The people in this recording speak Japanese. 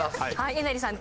えなりさん